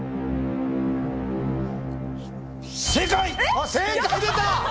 あっ正解出た！